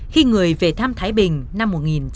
khi người về thăm thái bình năm một nghìn chín trăm sáu mươi sáu